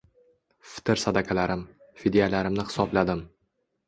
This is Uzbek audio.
Fitr sadaqalarim, fidyalarimni hisobladim